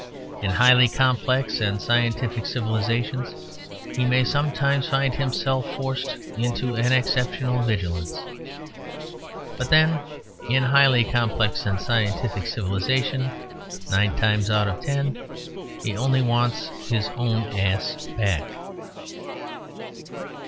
In highly complex and scientific civilisations he may sometimes find himself forced into an exceptional vigilance. But, then, in highly complex and scientific civilisations, nine times out of ten, he only wants his own ass back.